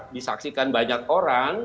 disaksikan banyak orang